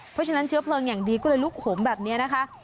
เพราะฉะนั้นเชื้อเพลิงอย่างดีก็เลยลุกหมแบบนี้นะคะ